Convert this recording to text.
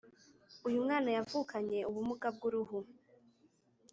uyumwana yavukanye ubumuga bwuruhu